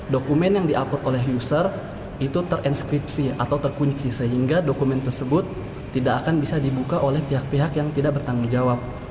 dokumen yang di upload oleh user itu terinskripsi atau terkunci sehingga dokumen tersebut tidak akan bisa dibuka oleh pihak pihak yang tidak bertanggung jawab